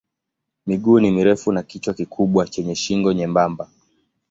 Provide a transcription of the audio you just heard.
Miguu ni mirefu na kichwa kikubwa chenye shingo nyembamba.